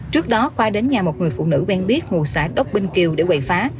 trước đó khoa đến nhà một người phụ nữ bên biết ngồi xã đốc binh kiều để quậy phá